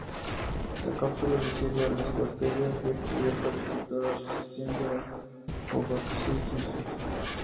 La cápsula le sirve a las bacterias de cubierta protectora resistiendo la fagocitosis.